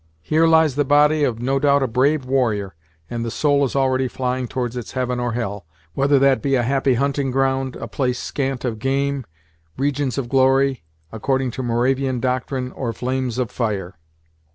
Here lies the body of no doubt a brave warrior, and the soul is already flying towards its heaven or hell, whether that be a happy hunting ground, a place scant of game, regions of glory, according to Moravian doctrine, or flames of fire!